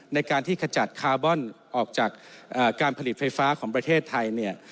ในการที่ขจัดคาร์บอนออกจากการผลิตไฟฟ้าของประเทศไทยเนี่ย